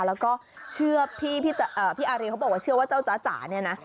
แล้วก็เชื่อพี่อารีเขาบอกว่าเชื่อว่าเจ้าจ๊ะจ๋าเนี่ยนะ